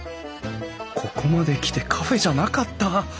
ここまで来てカフェじゃなかった？